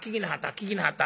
聞きなはった？